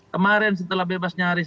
kemarin setelah bebas nyaris